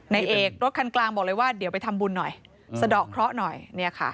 ในเอกรถคันกลางบอกเลยว่าเดี๋ยวไปทำบุญหน่อยสะดอกเคราะห์หน่อยเนี่ยค่ะ